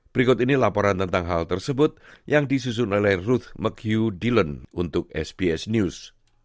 berikut ini laporan tentang hal tersebut yang disusun oleh ruth maque deallen untuk sbs news